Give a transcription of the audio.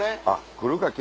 来るか来